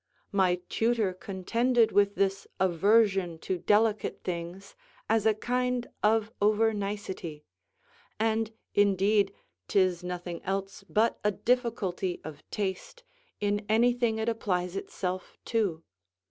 My tutor contended with this aversion to delicate things, as a kind of over nicety; and indeed 'tis nothing else but a difficulty of taste, in anything it applies itself to.